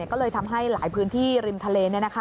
ก็เลยทำให้หลายพื้นที่ริมทะเล